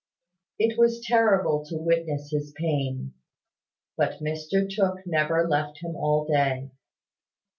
It was terrible to witness his pain; but Mr Tooke never left him all day.